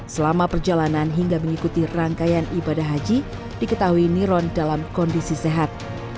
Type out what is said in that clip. selama perjalanan hingga mengikuti rangkaian ibadah haji diketahui niron dalam kondisi sehat